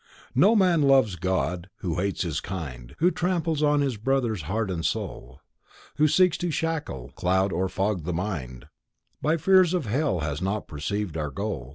_ No man loves God who hates his kind, Who tramples on his Brother's heart and soul. Who seeks to shackle, cloud or fog the mind By fears of Hell has not perceived our goal.